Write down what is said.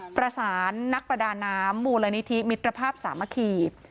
ประสานนักประดาน้ำมูลนิธิมิตรภาพสามัคคี